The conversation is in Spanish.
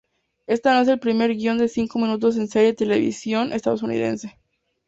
Esta no es el primer guion de cinco minutos en serie televisión estadounidense.